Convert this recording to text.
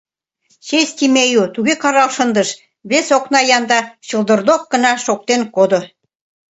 Честь имею! — туге карал шындыш, вес окна янда чылдырдок гына шоктен кодо.